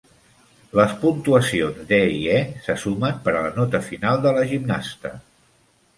Les puntuacions D i E se sumen per a la nota final de la gimnasta.